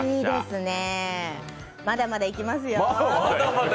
まだまだいきますよ。